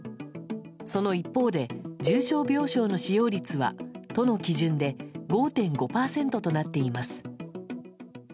その一方、重症病床の使用率は都の基準で５．５％となっています。